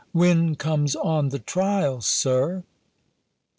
When comes on the trial. Sir?"